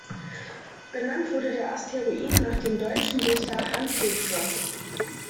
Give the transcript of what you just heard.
Benannt wurde der Asteroid nach dem deutschen Dichter Hans Bethge.